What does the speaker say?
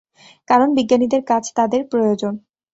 কারণ বিজ্ঞানীদের কাজ তাদের প্রয়োজন।